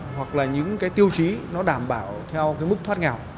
hoặc là những cái tiêu chí nó đảm bảo theo cái mức thoát nghèo